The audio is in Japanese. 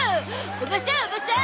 おばさんおばさん